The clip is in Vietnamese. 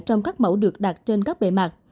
trong các mẫu được đặt trên các bề mặt